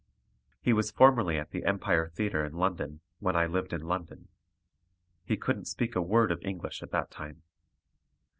He was formerly at the Empire Theatre in London, when I lived in London. He couldn't speak a word of English at that time.